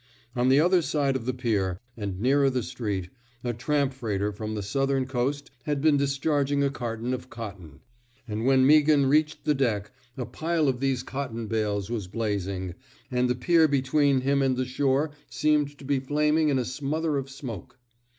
On the other side of the pier, and nearer the street, a tramp freighter from the Southern coast had been discharging a cargo of cotton; 46 A CHAEGE OF COWARDICE and when Meaghan reached the deck, a pile of these cotton bales was blazing, and the pier between him and the shore seemed to be flaming in a smother of smoke.